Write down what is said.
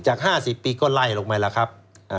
๕๐ปีก็ไล่ลงไปแล้วครับ